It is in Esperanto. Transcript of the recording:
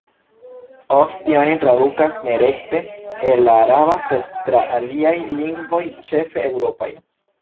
Ofte oni tradukas ne rekte el la araba, sed tra aliaj lingvoj, ĉefe eŭropaj.